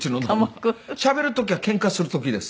しゃべる時はケンカする時です。